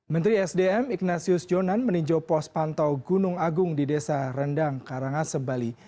menteri sdm ignatius jonan meninjau pos pantau gunung agung di desa rendang karangase bali